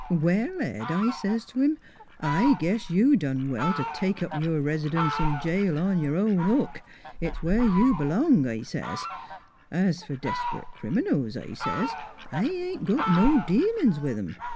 ' Well, Ed,' I says t' him, ' I guess you done well t' take up your res'dunce in jail on your own hook. It's where you b'long,' I says. ' Es f'r desprit criminals,' I says, ' I ain't got no dealin's with 'em.